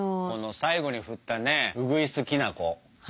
この最後に振ったねうぐいすきな粉。